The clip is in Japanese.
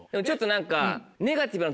ちょっと何か。